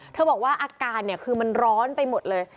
เธอบอกว่าอาการคือมันร้อนไปหมดเลย